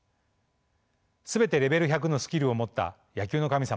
全てレベル１００のスキルを持った野球の神様。